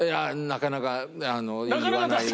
なかなか出さない？